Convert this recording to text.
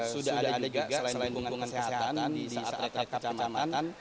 sudah ada juga selain dukungan kesehatan di saat rekap rekap kecamatan